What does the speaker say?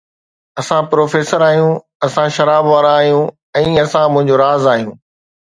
اسان پروفيسر آهيون، اسان شراب وارا آهيون، ۽ اسان منهنجو راز آهيون